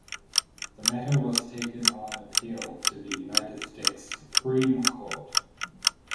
The matter was taken on appeal to the United States Supreme Court.